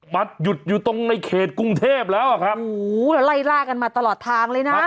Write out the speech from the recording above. มาหยุดอยู่ตรงในเขตกรุงเทพแล้วอ่ะครับโอ้โหแล้วไล่ล่ากันมาตลอดทางเลยนะ